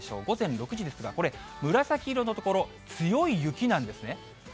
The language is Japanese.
午前６時ですが、これ、紫色の所、強い雪なんですね。